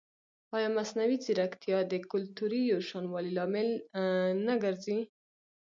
ایا مصنوعي ځیرکتیا د کلتوري یوشان والي لامل نه ګرځي؟